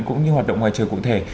cũng như hoạt động ngoài trời cụ thể